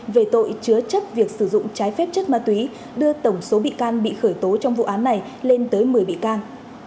về tội chứa chấp việc sử dụng trái phép chất ma túy đưa tổng số bị can bị khởi tố trong vụ án này lên tới một mươi bị can